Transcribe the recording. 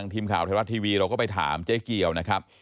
ทีมข่าวไทยรัฐทีวีเราก็ไปถามเจ๊เกียวนะครับ